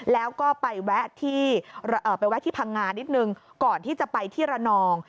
แล้วก็ไปแวะที่พังงานิดนึงก่อนที่จะไปที่ระนอง